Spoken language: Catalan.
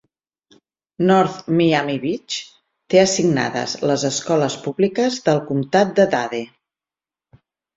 North Miami Beach té assignades les escoles públiques del comtat de Dade.